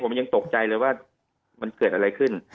ผมยังตกใจเลยว่ามันเกิดอะไรขึ้น